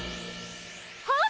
はっ！